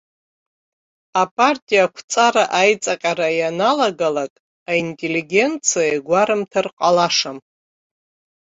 Апартиа ақәҵара аиҵаҟьара ианалагалак, аинтеллигенциа игәарымҭар ҟалашам.